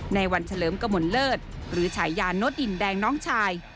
ในวันเฉลิมกมลเลิศหรือฉายาโน้ตดินแดงน้องชาย